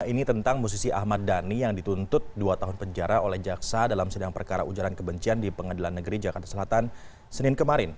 ini tentang musisi ahmad dhani yang dituntut dua tahun penjara oleh jaksa dalam sidang perkara ujaran kebencian di pengadilan negeri jakarta selatan senin kemarin